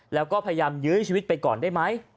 แล้วก็พยายามยื้อชีวิตไปก่อนได้ไหม